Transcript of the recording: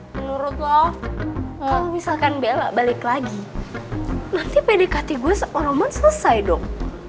menurut lo misalkan bella balik lagi nanti pdkt gue sama selesai dong